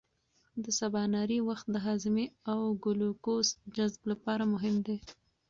د سباناري وخت د هاضمې او ګلوکوز جذب لپاره مهم دی.